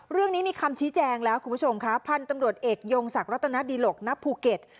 เรื่องนี้มีคำชี้แจงแล้วคุณผู้ชมค่ะพันธุ์ตำรวจเอกยงศักดิรัตนดิหลกณภูเก็ต